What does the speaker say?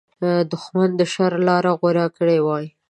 دښمن د شر لاره غوره کړې وي